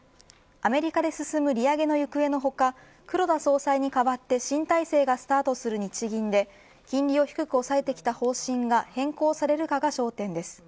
アメリカで進む利上げの行方の他黒田総裁に代わって新体制がスタートする日銀で金利を低く抑えてきた方針が変更されるかが焦点です。